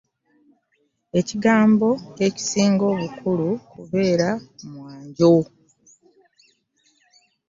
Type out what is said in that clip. Ekigambo ekisinga obukulu kubeera ku mwanjo.